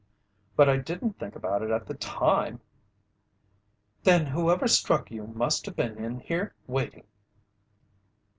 But I didn't think about it at the time." "Then whoever struck you must have been in here waiting!"